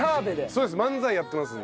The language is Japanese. そうです。